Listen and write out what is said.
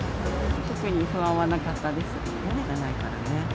特に不安はなかったです。